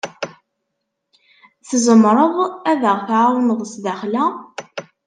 Tzemreḍ ad aɣ-tɛawneḍ sdaxel-a?